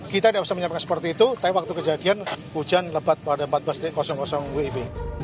kita tidak bisa menyampaikan seperti itu tapi waktu kejadian hujan lebat pada empat belas wib